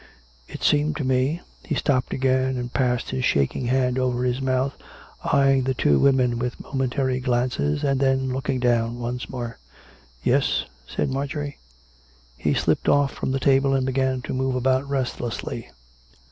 It seemed to me " He stopped again, and passed his shaking hand over his mouth, eyeing the two women with momentary glances, and then looking down once more. "Yes?" said Marjorie. He slipped off from the table, and began to move about restlessly.